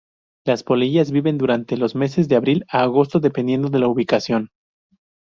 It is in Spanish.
Las polillas viven durante los meses de abril a agosto dependiendo de la ubicación.